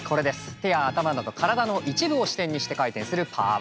手や頭など体の一部を支点にして回転するパワームーブです。